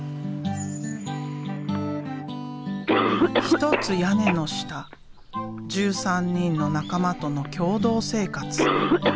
一つ屋根の下１３人の仲間との共同生活。